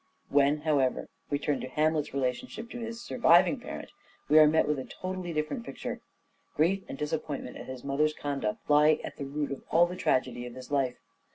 When, however, we turn to Hamlet's relationship to his surviving parent we are met with a totally different picture. Grief and disappointment at his mother's conduct lie at the root of all the tragedy of his life.